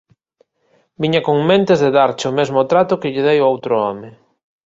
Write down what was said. Viña con mentes de darche o mesmo trato que lle dei ao outro home.